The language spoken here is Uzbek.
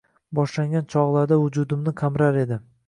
boshlagan chog’larda vujudimni qamrar edi.